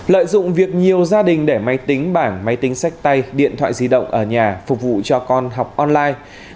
lợi dụng việc nhiều gia đình để máy tính bảng máy tính sách tay điện thoại di động ở nhà phục vụ cho con học online